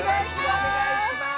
おねがいします！